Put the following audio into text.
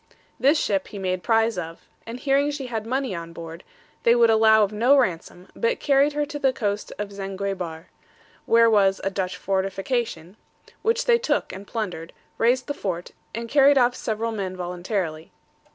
This ship he made prize of, and hearing she had money on board, they would allow of no ransom, but carried her to the coast of Zanguebar, where was a Dutch fortification, which they took and plundered, razed the fort, and carried off several men voluntarily.